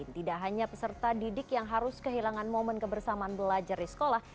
tidak hanya peserta didik yang harus kehilangan momen kebersamaan belajar di sekolah